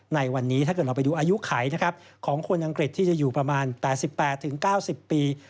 ในวันนี้ถ้าเกิดเราไปดูอายุไขของคนอังกฤษที่จะอยู่ประมาณ๘๘๙๐ปี